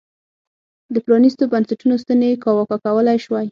د پرانیستو بنسټونو ستنې یې کاواکه کولای شوای.